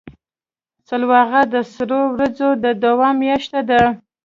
سلواغه د سړو ورځو د دوام میاشت ده.